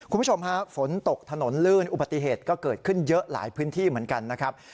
คุณผู้ชมฮะฝนตกถนนลื่นอุบัติเหตุก็เกิดขึ้นเยอะหลายพื้นที่เหมือนกันนะครับ